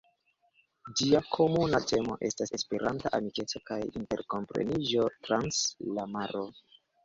Ĝia komuna temo estas "Esperanta amikeco kaj interkompreniĝo trans la maro".